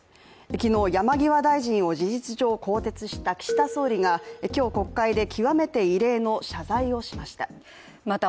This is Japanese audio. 昨日、山際大臣を事実上更迭した岸田総理が今日、国会で極めて異例の謝罪をしました。